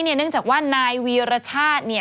เนื่องจากว่านายวีรชาติ